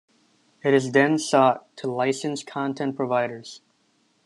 It then sought to license content providers.